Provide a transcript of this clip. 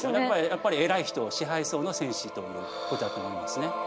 やっぱり偉い人支配層の戦士ということだと思うんですね。